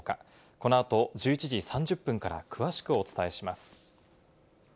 このあと１１時３０分から詳しくお伝えします。